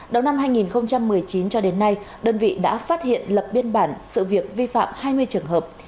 đầu năm hai nghìn một mươi chín cho đến nay đơn vị đã phát hiện lập biên bản sự việc vi phạm hai mươi trường hợp